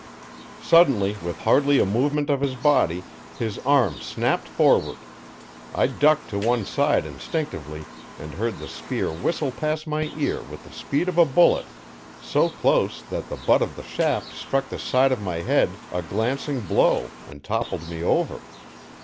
Suddenly, with hardly a movement of his body, his arm snapped forward. I ducked to one side instinctively and heard the spear whistle past my ear with the speed of a bullet, so close that the butt of the shaft struck the side of my head a glancing blow and toppled me over.